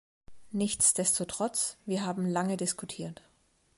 Nichtsdestotrotz, wir haben lange diskutiert.